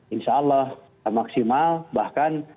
insyaallah maksimal bahkan